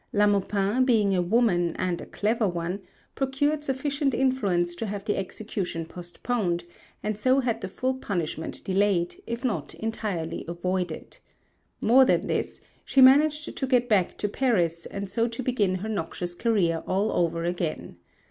La Maupin, being a woman and a clever one, procured sufficient influence to have the execution postponed, and so had the full punishment delayed, if not entirely avoided. More than this, she managed to get back to Paris and so to begin her noxious career all over again.